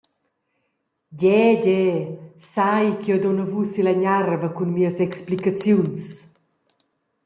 Gie, gie, sai ch’jeu dun a vus silla gnarva cun mias explicaziuns.